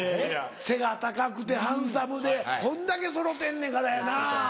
背が高くてハンサムでこんだけそろうてんねんからやな。